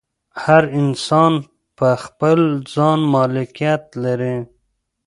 هر انسان پر خپل ځان مالکیت لري.